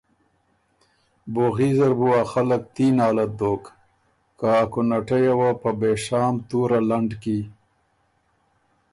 بوغي زر بُو ا خلق تي نالت دوک که ا کُنه ټئ یه وه په بېشام تُوره لنډ کی